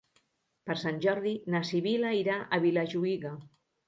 Per Sant Jordi na Sibil·la irà a Vilajuïga.